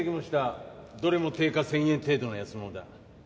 どれも定価１，０００円程度の安物だ。